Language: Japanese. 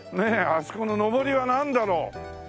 あそこののぼりはなんだろう？